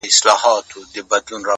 تا ولي په مسکا کي قهر وخندوئ اور ته”